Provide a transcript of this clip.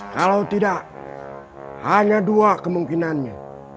kalau tidak hanya dua kemungkinannya